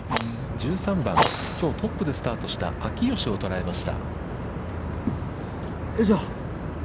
１３番、きょう、トップでスタートした秋吉を捉えました。